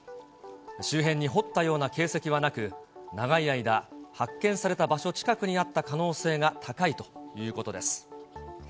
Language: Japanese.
周辺に掘ったような形跡はなく、長い間、発見された場所近くにあった可能性が高いということです。